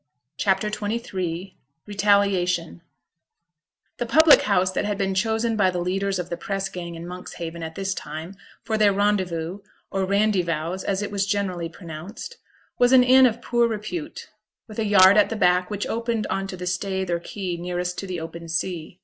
CHAPTER XXIII RETALIATION The public house that had been chosen by the leaders of the press gang in Monkshaven at this time, for their rendezvous (or 'Randyvowse', as it was generally pronounced), was an inn of poor repute, with a yard at the back which opened on to the staithe or quay nearest to the open sea.